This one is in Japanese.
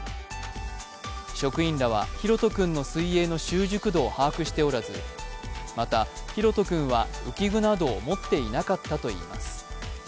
職員らは大翔君の水泳の習熟度を把握しておらずまた大翔君は浮き具などを持っていなかったといいます。